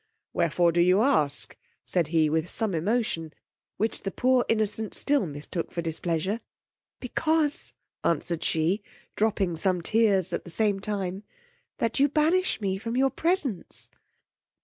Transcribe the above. Wherefore do you ask? said he, with some emotion, which the poor innocent still mistook for displeasure; because, answered she, dropping some tears at the same time, that you banish me from your presence.